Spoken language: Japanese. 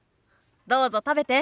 どうぞ食べて。